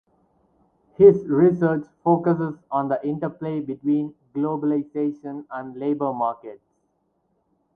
His research focuses on the interplay between globalization and labour markets.